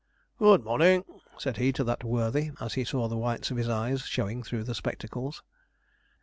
'Good morning,' said he to that worthy, as he saw the whites of his eyes showing through his spectacles.